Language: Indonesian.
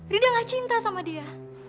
rinda gak cinta sama dia